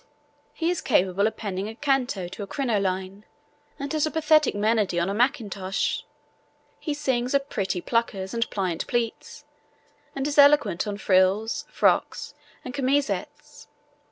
He is capable of penning a canto to a crinoline, and has a pathetic monody on a mackintosh. He sings of pretty puckers and pliant pleats, and is eloquent on frills, frocks and chemisettes.